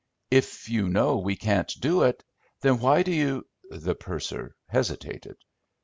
"If you know we can't do it, then why do you—?" The purser hesitated.